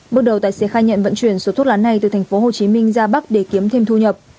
bước đầu tài xế khai nhận vận chuyển số thuốc lá này từ thành phố hồ chí minh ra bắc để kiếm thêm thu nhập